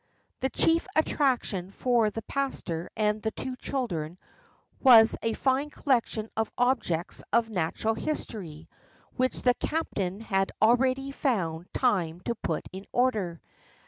The chief attraction for the pastor and the two children was a fine collection of objects of natural history, which the captain had already found time to put in order.